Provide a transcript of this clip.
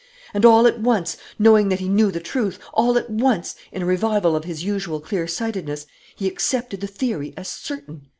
And all at once, knowing that he knew the truth, all at once, in a revival of his usual clear sightedness, he accepted the theory as certain.